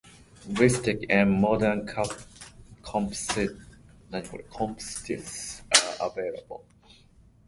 Rustic and modern campsites are available.